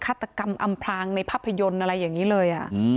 ฆาตกรรมอำพลางในภาพยนตร์อะไรอย่างนี้เลย